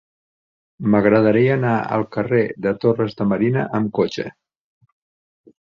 M'agradaria anar al carrer de Torres de Marina amb cotxe.